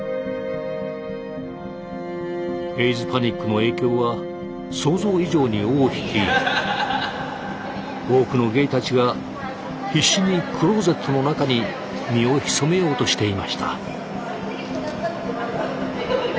エイズパニックの影響は想像以上に尾を引き多くのゲイたちが必死にクローゼットの中に身を潜めようとしていました。